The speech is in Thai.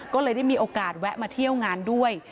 ก็เลยได้มีโอกาสแวะมาเที่ยวงานด้วย